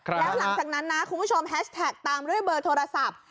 แล้วหลังจากนั้นนะคุณผู้ชมแฮชแท็กตามด้วยเบอร์โทรศัพท์